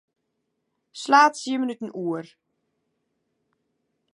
Slach tsien minuten oer.